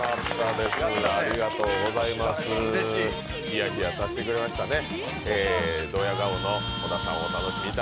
ヒヤヒヤさせてくれましたね。